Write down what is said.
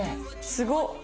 すごっ！